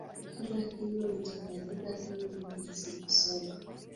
kama hilo litafanyika hivyo ndani ya siku saba